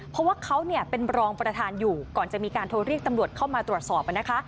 เพราะว่าเขาเป็นรองประธานอยู่ก่อนจะมีการโทรเรียกตำรวจเข้ามาตรวจสอบนะคะ